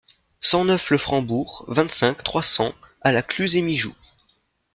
cent neuf le Frambourg, vingt-cinq, trois cents à La Cluse-et-Mijoux